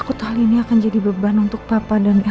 aku takut hal ini akan jadi beban untuk papa dan elsa